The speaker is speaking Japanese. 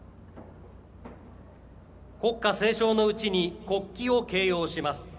国歌斉唱のうちに国旗を掲揚します。